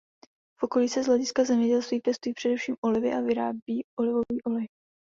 V okolí se z hlediska zemědělství pěstují především olivy a vyrábí olivový olej.